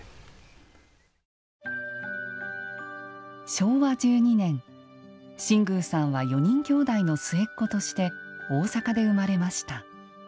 昭和１２年新宮さんは４人兄弟の末っ子として大阪で生まれました。